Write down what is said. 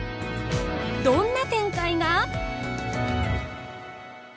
どんな展開が？